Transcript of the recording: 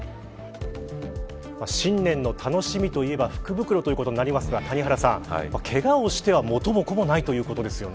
新年の楽しみといえば福袋ということになりますがけがをしては、元も子もないということですよね。